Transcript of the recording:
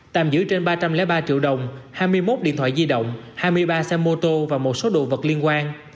tạm giữ trên ba trăm linh ba triệu đồng hai mươi một điện thoại di động hai mươi ba xe mô tô và một số đồ vật liên quan